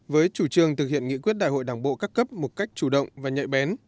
với chủ trương thực hiện nghị quyết đại hội đảng bộ các cấp một cách chủ động và nhạy bén